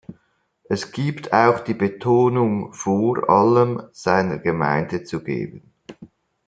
Es gibt auch die Betonung, vor allem seiner Gemeinde zu geben.